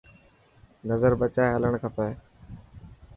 نظر بچائي هلڙڻ کپي.